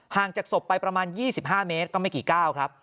จากศพไปประมาณ๒๕เมตรก็ไม่กี่ก้าวครับ